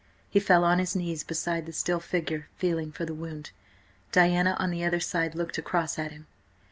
He fell on his knees beside the still figure, feeling for the wound. Diana, on the other side, looked across at him.